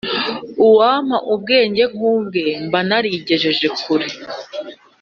Uwampa ubwenge nk’ ubwe mba narigejeje kure